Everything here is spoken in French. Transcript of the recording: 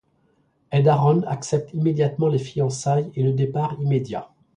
Ed Aron accepte immédiatement les fiançailles et le départ immédiat.